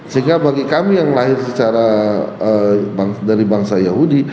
sehingga bagi kami yang lahir secara dari bangsa yahudi